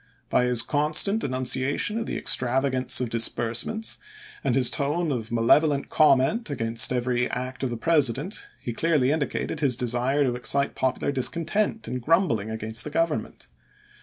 By his constant denunciation of the extravagance of disbursements, and his tone of malevolent comment against every act of the President, he clearly indicated his desire to excite popular discontent and grumbling against the Government.